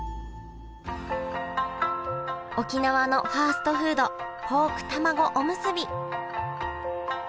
沖縄のファストフードポークたまごおむすび。